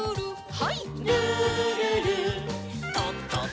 はい。